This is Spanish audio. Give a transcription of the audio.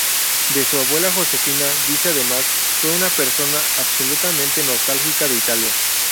De su abuela Josefina, dice además: "Fue una persona absolutamente nostálgica de Italia.